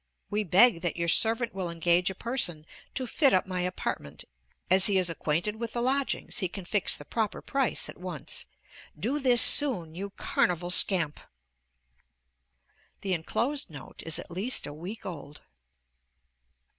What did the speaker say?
We beg that your servant will engage a person to fit up my apartment; as he is acquainted with the lodgings, he can fix the proper price at once. Do this soon, you Carnival scamp!!!!!!! The inclosed note is at least a week old.